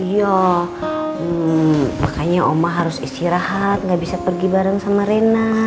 iya makanya oma harus istirahat gak bisa pergi bareng sama rena